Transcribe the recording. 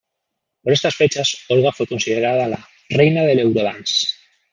Por estas fechas, Olga fue considerada la "Reina del Eurodance".